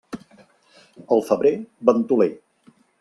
El febrer, ventoler.